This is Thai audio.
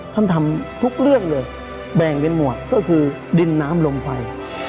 ทำทุกเรื่องเลยแบ่งเป็นหมวดก็คือดินน้ำลมไฟ